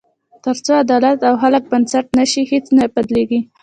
تر څو عدالت او خلک بنسټ نه شي، هیڅ نه بدلېږي.